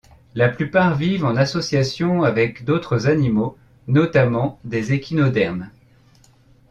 La plupart vivent en association avec d'autres animaux, notamment des échinodermes.